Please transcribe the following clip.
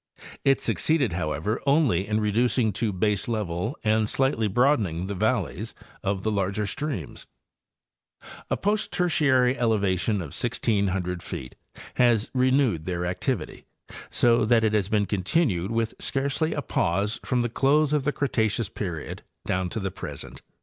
It succeeded, however, only in reducing to baselevel and slightly broadening the valleys of the larger streams. A post Tertiary elevation of 1,600 feet has renewed their activity, so that it has been continued with scarcely a pause from the close of the Cretaceous 'period down to the present.